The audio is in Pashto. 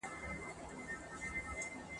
پېغلو غازیانو ته اوبه رسولې.